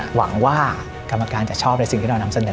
หวังว่ากรรมการจะชอบในสิ่งที่เรานำเสนอ